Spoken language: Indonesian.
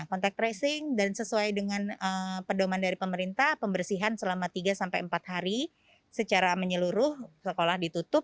kontak tracing dan sesuai dengan pedoman dari pemerintah pembersihan selama tiga sampai empat hari secara menyeluruh sekolah ditutup